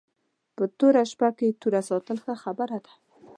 په توره شپه کې توره ساتل ښه خبره ده